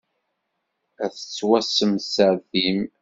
Ad tettwassemsertim.